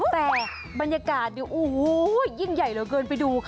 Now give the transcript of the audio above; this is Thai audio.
แต่บรรยากาศเนี่ยโอ้โหยิ่งใหญ่เหลือเกินไปดูค่ะ